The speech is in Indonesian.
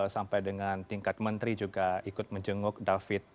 sampai dengan tingkat menteri juga ikut menjenguk david